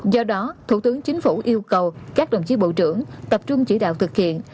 do đó thủ tướng chính phủ yêu cầu các đồng chí bộ trưởng tập trung chỉ đạo thực hiện